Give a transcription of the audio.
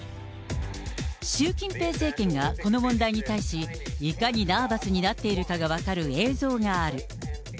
習近平政権がこの問題に対し、いかにナーバスになっているかが分かる映像がある。